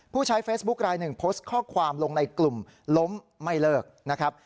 ผู้ใช้เฟซบุ๊คลายหนึ่งโพสต์ข้อความลงในกลุ่มล้มไม่เลิกนะครับ